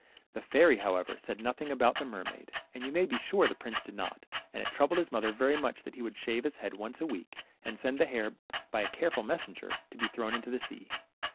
The fairy however, said nothing about the mer maid, and you may be sure the prince did not, and it troubled his mother very much that he would shave his head once a week, and send the hair by a careful messenger, to be thrown into the sea.